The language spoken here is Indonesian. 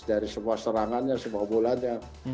dari semua serangannya semua bolanya